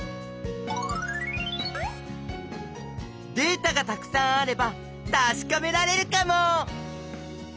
データがたくさんあればたしかめられるかも！